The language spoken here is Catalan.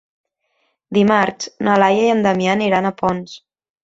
Dimarts na Laia i en Damià aniran a Ponts.